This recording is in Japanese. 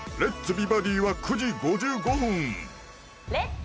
美バディ」は９時５５分「レッツ！